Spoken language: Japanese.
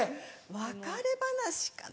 別れ話かな？